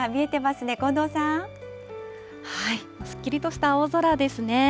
すっきりとした青空ですね。